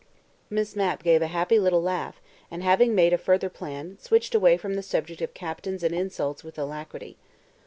Miss Mapp gave a happy little laugh, and having made a further plan, switched away from the subject of captains and insults with alacrity.